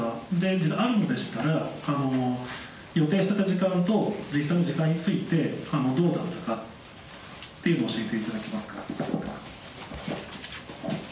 あるのでしたら予定していた時間と実際の時間についてどうだったのかについて教えていただけますか。